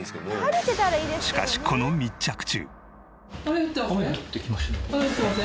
しかしこの密着中。